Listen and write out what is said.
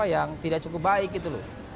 yang tidak cukup baik gitu loh